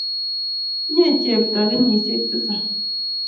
Tinyei chepto kenyisiek tisap.